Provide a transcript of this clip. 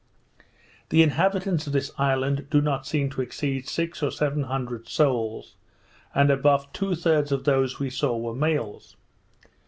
The inhabitants of this island do not seem to exceed six or seven hundred souls, and above two thirds of those we saw were males.